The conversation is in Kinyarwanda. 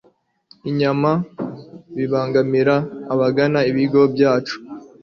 inyama bibangamira abagana ibigo byacu